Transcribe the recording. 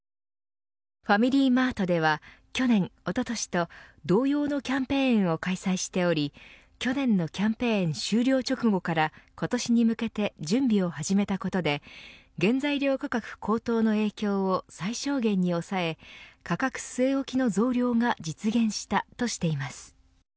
ファミリーマートでは去年、おととしと同様のキャンペーンを開催しており去年のキャンペーン終了直後から今年に向けて準備を始めたことで原材料価格高騰の影響を最小限に抑え価格据え置きの増量が実現したとしています。